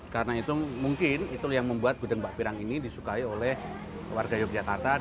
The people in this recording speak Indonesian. karena itu mungkin yang membuat gudeg mbak pirang ini disukai oleh warga yogyakarta